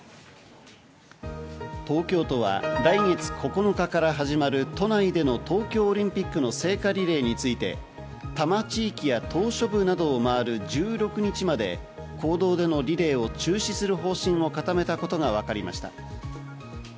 東京都は来月９日から始まる都内での東京オリンピックの聖火リレーについて多摩地域や島しょ部などを回る１６日まで公道でのリレーを中止する方針を固めたことがわかりました。